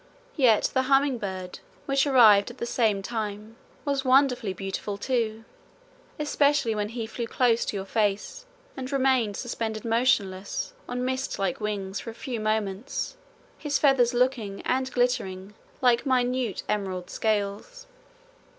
Yet the humming bird, which arrived at the same time, was wonderfully beautiful too, especially when he flew close to your face and remained suspended motionless on mist like wings for a few moments, his feathers looking and glittering like minute emerald scales.